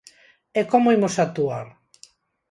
¿E como imos actuar?